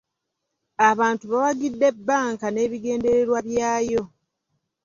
Abantu bawagidde bbanka n'ebigendererwa byayo .